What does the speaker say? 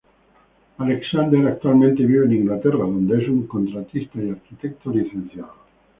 Alexander actualmente vive en Inglaterra, donde es un contratista y arquitecto licenciado.